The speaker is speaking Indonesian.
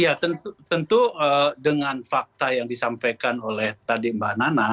ya tentu dengan fakta yang disampaikan oleh tadi mbak nana